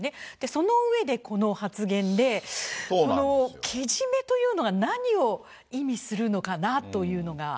その上で、この発言でけじめというのが何を意味するのかなというのが。